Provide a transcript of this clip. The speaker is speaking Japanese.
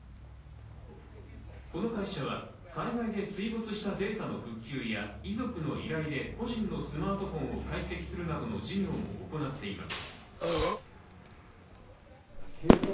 この会社は、災害で水没したデータの復旧や遺族の依頼で故人のスマートフォンを解析するなどの事業も行っています。